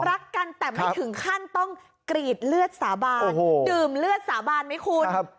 รักกันแต่ไม่ถึงขั้นต้องกรีดเลือดสาบานดื่มเลือดสาบานไหมคุณ